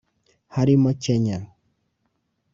harimo Kenya